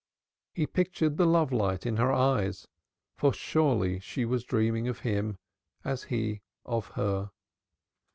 He pictured the love light in her eyes; for surely she was dreaming of him, as he of her.